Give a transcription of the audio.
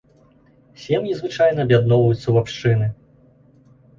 Сем'і звычайна аб'ядноўваюцца ў абшчыны.